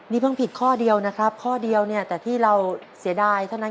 นี่เพิ่งผิดข้อเดียวนะครับข้อเดียวเนี่ยแต่ที่เราเสียดายเท่านั้น